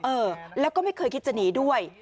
เออแล้วก็ไม่เคยคิดจะหนีด้วย